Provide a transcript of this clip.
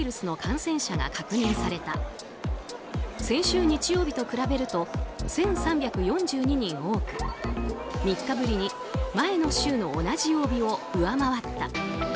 先週日曜日と比べると１３４２人多く３日ぶりに前の週の同じ曜日を上回った。